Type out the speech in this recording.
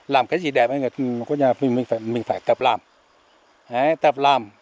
làm cái gì đẹp thì mình phải tập làm